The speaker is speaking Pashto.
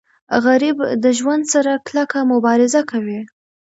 غریب د ژوند سره کلکه مبارزه کوي